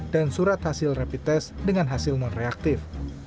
dan surat hasil rapid tes dengan hasil non reaktif